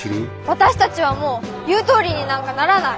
私たちはもう言うとおりになんかならない。